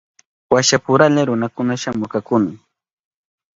Washapuralla runakuna shamurkakuna.